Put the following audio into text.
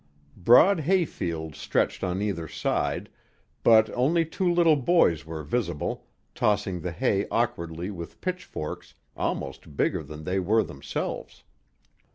Broad hay fields stretched on either side, but only two little boys were visible, tossing the hay awkwardly with pitchforks almost bigger than they were themselves.